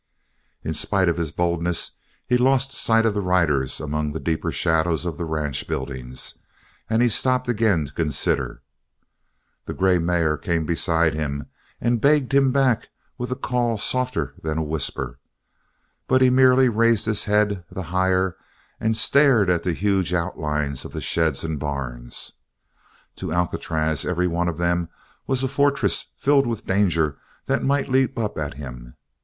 In spite of his boldness he lost sight of the riders among the deeper shadows of the ranch buildings, and he stopped again to consider. The grey mare came beside him and begged him back with a call softer than a whisper, but he merely raised his head the higher and stared at the huge outlines of the sheds and barns. To Alcatraz every one of them was a fortress filled with danger that might leap up at him.